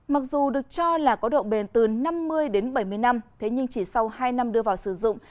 mặc dù được cho là có độ bền từ năm mươi đến bảy mươi năm thế nhưng chỉ sau hai năm đưa vào sử dụng